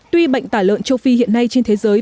tuy bệnh tả lợn châu phi hiện nay trên thế giới